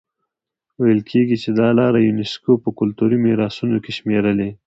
ویل کېږي چې دا لاره یونیسکو په کلتوري میراثونو کې شمېرلي.